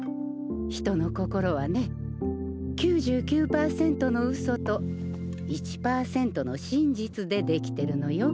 人の心はね９９％のうそと１％の真実で出来てるのよ